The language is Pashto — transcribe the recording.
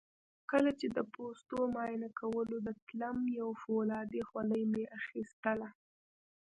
کله چې د پوستو معاینه کولو ته تلم یو فولادي خولۍ مې اخیستله.